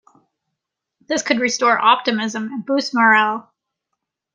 This could restore optimism and boost morale.